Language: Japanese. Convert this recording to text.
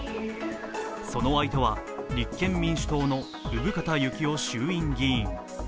その相手は立憲民主党の生方幸夫衆院議員。